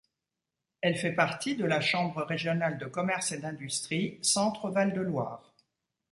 Elle fait partie de la Chambre régionale de commerce et d'industrie Centre-Val de Loire.